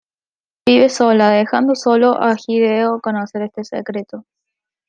Vive sola, dejando sólo a Hideo conocer este secreto.